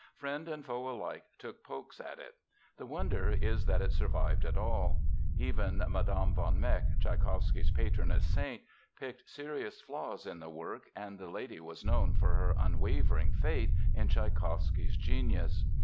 Friend and foe alike took pokes at it. The wonder is that it survived at all. Even Mme. von Meck, Tschaikowsky's patroness saint, picked serious flaws in the work, and the lady was known for her unwavering faith in Tschaikowsky's genius.